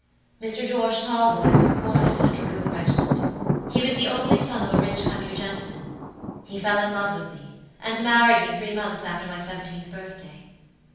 "Mr. George Talboys was a cornet in a dragoon regiment. He was the only son of a rich country gentleman. He fell in love with me, and married me three months after my seventeenth birthday.